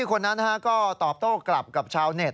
ก็ตอบโต้กลับกับชาวเน็ต